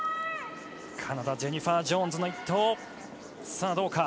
カナダジェニファー・ジョーンズの一投。